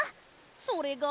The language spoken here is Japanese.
それが。